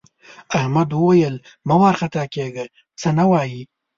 احمد وویل مه وارخطا کېږه څه نه وايي.